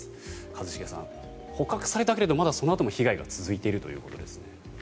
一茂さん、捕獲されたけれどもまだそのあとも被害が続いているということです。